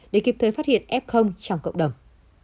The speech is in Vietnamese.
để kịp thời phát hiện f trong cộng đồng